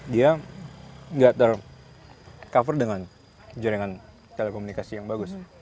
dia nggak tercover dengan jaringan telekomunikasi yang bagus